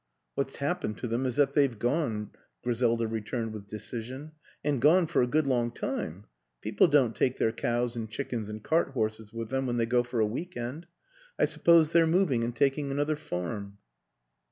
"" What's happened to them is that they've gone," Griselda returned with decision. " And gone for a good long time people don't take their cows and chickens and cart horses with them when they go for a week end. I suppose they're moving and taking another farm."